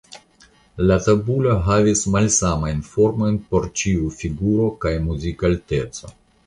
La tabulo havis malsamajn formojn por ĉiu figuro kaj muzikalteco.